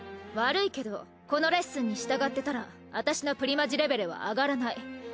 悪いけどこのレッスンに従ってたら私のプリマジレベルは上がらない。